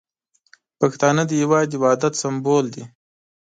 پښتانه د هیواد د وحدت سمبول دي.